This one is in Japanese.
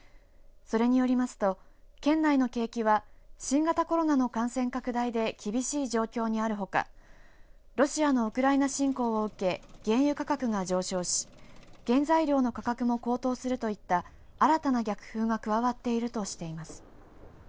それによりますと県内の景気は新型コロナの感染拡大で厳しい状況にあるほかロシアのウクライナ侵攻を受け原油価格が上昇し原材料の価格も高騰するといった新たな逆風が加わっているとしています。